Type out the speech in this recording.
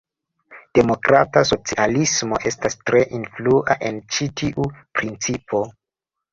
Demokrata socialismo estas tre influa en ĉi tiu principo.